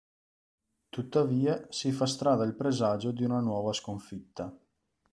Tuttavia si fa strada il presagio di una nuova sconfitta.